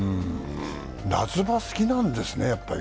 夏場、好きなんですね。